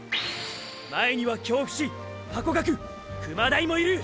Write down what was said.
前には京伏ハコガク熊台もいる！！